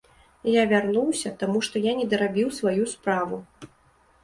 Я вярнуся, таму што я не дарабіў сваю справу.